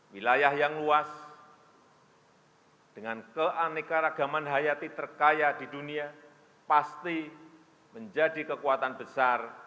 wilayah yang luas dengan keanekaragaman hayati terkaya di dunia pasti menjadi kekuatan besar